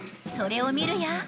それを見るや。